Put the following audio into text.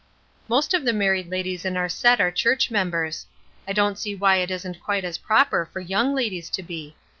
Most of the married ladies in our set are church members. I don't see why it isn't quite as proper for young ladies to be.